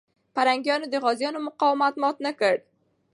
پرنګیانو د غازيانو مقاومت مات نه کړ.